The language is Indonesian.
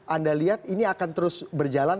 anda lihat ini akan terus berjalan